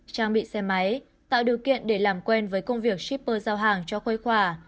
trang bị xe máy tạo điều kiện để làm quen với công việc shipper giao hàng cho khuây khỏa